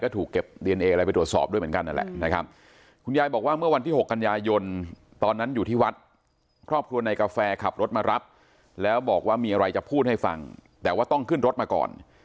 ตอนนั้นอยู่ที่วัดครอบครัวนายกาแฟขับรถมารับแล้วบอกว่ามีอะไรจะพูดให้ฟังแต่ว่าต้องขึ้นรถมาก่อน